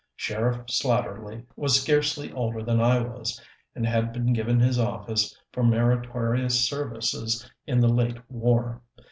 Sheriff Slatterly was scarcely older than I was, and had been given his office for meritorious services in the late war.